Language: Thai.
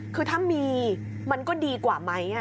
คือถ้ามีมันก็ดีกว่าไหม